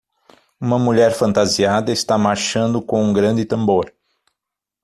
Uma mulher fantasiada está marchando com um grande tambor.